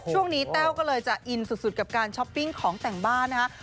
แต้วก็เลยจะอินสุดกับการช้อปปิ้งของแต่งบ้านนะฮะ